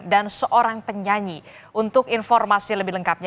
dan seorang penyanyi untuk informasi lebih lengkapnya